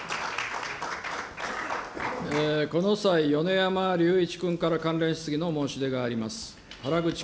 この際、米山隆一君から関連質疑の申し出があります。